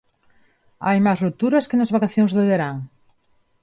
Hai máis rupturas que nas vacacións de verán.